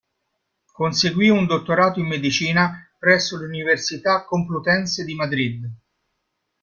Conseguì un dottorato in Medicina presso l'Università Complutense di Madrid.